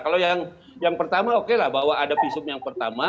kalau yang pertama oke lah bahwa ada visum yang pertama